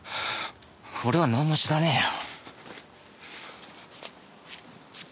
俺はなんも知らねえよ。